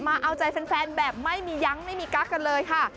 มาเอาใจแฟนแบบไม่มียั้งไม่มีกั๊กกันเลยค่ะ